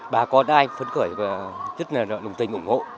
bà con ai phấn khởi và rất là đồng tình ủng hộ